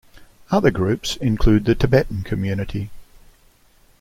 Other groups include the Tibetan community.